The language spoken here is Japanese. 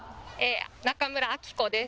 中村明子です